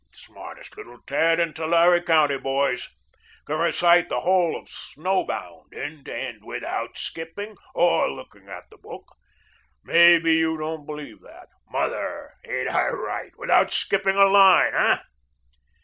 Smartest little tad in Tulare County, boys. Can recite the whole of 'Snow Bound,' end to end, without skipping or looking at the book. Maybe you don't believe that. Mother, ain't I right without skipping a line, hey?"